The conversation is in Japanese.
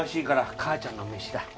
母ちゃんの飯だ